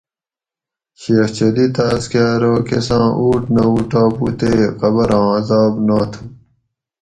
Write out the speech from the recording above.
شیخ چلی تاۤس کہ ارو کساں اوٹ نہ اُوٹاپو تے قبراں عزاب نا تھو